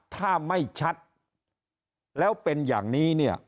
ถ้าไม่ชัดแล้วเป็นอย่างนี้เนี่ย